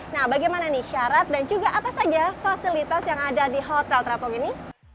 nah bagaimana nih syarat dan juga apa saja fasilitas yang ada di hotel trapung ini